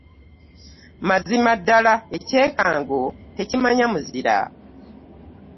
Mazima ddala ekyekango tekimanya muzira